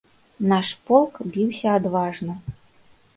Наш полк біўся адважна.